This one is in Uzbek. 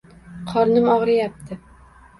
Qornim og'riyapti.